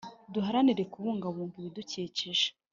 Duharanire Kubungabunga Ibidukikije